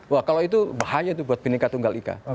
wah kalau itu bahaya buat peningkat tunggal ika